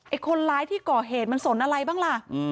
คนร้ายที่ก่อเหตุมันสนอะไรบ้างล่ะ